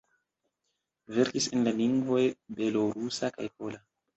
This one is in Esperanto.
Verkis en la lingvoj belorusa kaj pola.